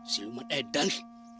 si umat edan